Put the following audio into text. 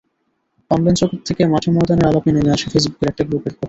Online জগৎ থেকে মাঠে-ময়দানের আলাপে নেমে আসে ফেসবুকের একটা গ্রুপের কথা।